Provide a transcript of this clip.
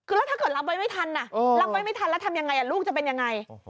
คือแล้วถ้าเกิดรับไว้ไม่ทันรับไว้ไม่ทันแล้วทำยังไงลูกจะเป็นยังไง